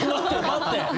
待って！